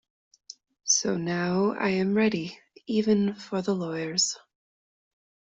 So now I am ready even for the lawyers.